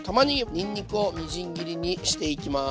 にんにくをみじん切りにしていきます。